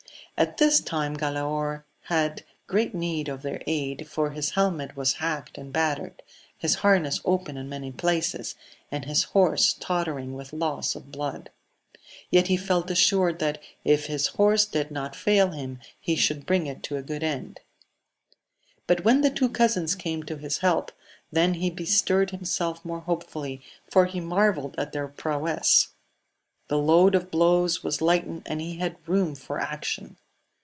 At this time Galaor had great need of their aid, for his helmet was hacked and battered, his harness open in many places, and his horse tottering with loss of blood ; yet he felt assured that, if his horse did not fail him, he should bring it to a good end. But when the two cousins came to his help, then he bestirred himself more hopefully, for he marvelled at their prowess. The load of blows was lightened, and he had room for action.